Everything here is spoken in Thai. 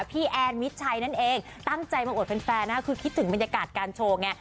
แอนมิดชัยนั่นเองตั้งใจมาอวดแฟนนะคือคิดถึงบรรยากาศการโชว์ไง